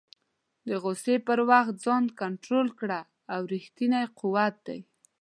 د غوسې پر وخت ځان کنټرول کړه، دا ریښتنی قوت دی.